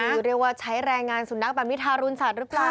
คือเรียกว่าใช้แรงงานสุนัขแบบนี้ทารุณสัตว์หรือเปล่า